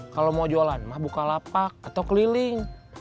kalau mau jualan mah bukalapak atau keliling